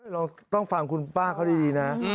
เราต้องฟังคุณป้าเขาดีนะ